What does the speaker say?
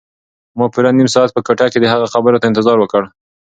ما پوره نیم ساعت په کوټه کې د هغه خبرو ته انتظار وکړ.